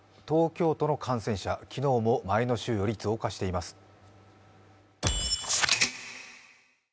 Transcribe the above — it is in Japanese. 東京都の感染者、昨日も前の週より増加しています。